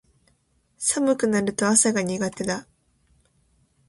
寒くなると朝が苦手だ